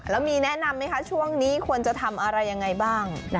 แล้วมีแนะนำไหมคะช่วงนี้ควรจะทำอะไรยังไงบ้าง